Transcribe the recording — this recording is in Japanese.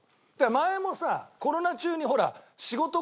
前もさコロナ中にほら仕事がね